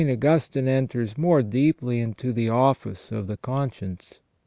Augustine enters more deeply into the office of the conscience.